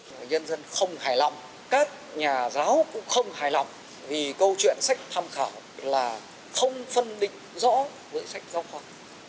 nhân dân không hài lòng các nhà giáo cũng không hài lòng vì câu chuyện sách tham khảo là không phân định rõ với sách giáo khoa